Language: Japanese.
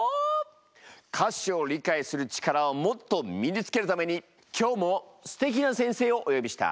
歌詞を理解する力をもっと身につけるために今日もすてきな先生をお呼びした。